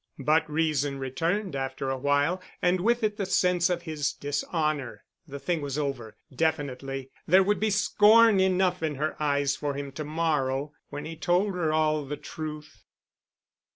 But reason returned after awhile ... and with it the sense of his dishonor. The thing was over, definitely. There would be scorn enough in her eyes for him to morrow, when he told her all the truth.